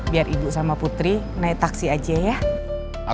biar ibu sama putri naik taksi aja ya